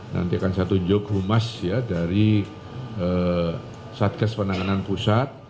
nanti akan saya tunjuk humas dari satgas penanganan pusat